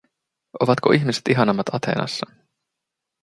Ovatko ihmiset ihanammat Athenassa?